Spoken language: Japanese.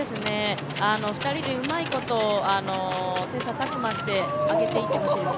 ２人でうまいこと切磋琢磨して上げていってほしいです。